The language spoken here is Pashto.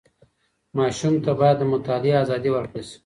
ماسوم ته باید د مطالعې ازادي ورکړل سي.